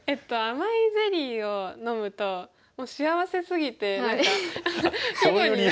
甘いゼリーを飲むと幸せすぎて何か囲碁に。